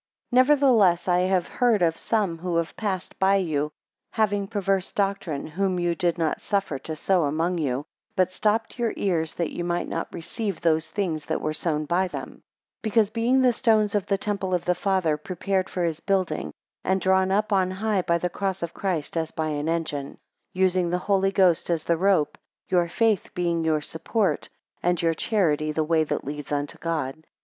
10 Nevertheless I have heard of some who have passed by you, having perverse doctrine; whom ye did not suffer to sow among you; but stopped your ears, that ye might not receive those things that were sown by them: because being the stones of the temple of the Father, prepared for his building; and drawn up on high by the Cross of Christ, as by an engine; 11. Using the Holy Ghost as the rope: your faith being your support; and your charity the way that leads unto God.